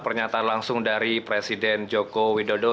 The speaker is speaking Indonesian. pernyataan langsung dari presiden joko widodo